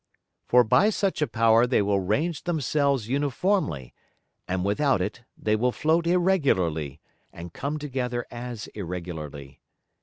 For by such a Power they will range themselves uniformly, and without it they will float irregularly, and come together as irregularly.